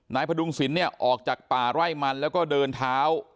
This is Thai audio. นายพระดุงสินเนี่ยออกจากป่าร่ายมันแล้วก็เดินเท้า